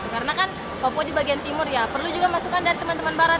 karena kan papua di bagian timur ya perlu juga masukan dari teman teman barat